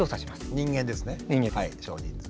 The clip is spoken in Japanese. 人間です。